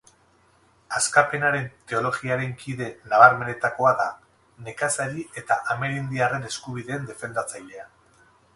Askapenaren teologiaren kide nabarmenetakoa da, nekazari eta amerindiarren eskubideen defendatzailea.